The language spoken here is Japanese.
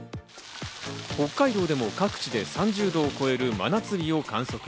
北海道でも各地で３０度を超える真夏日を観測。